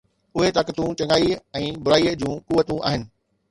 اهي طاقتون چڱائي ۽ برائيءَ جون قوتون آهن